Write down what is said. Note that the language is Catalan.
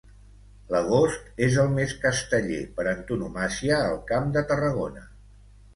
l'agost és el mes casteller per antonomàsia al Camp de Tarragona